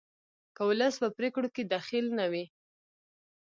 که ولس په پریکړو کې دخیل نه وي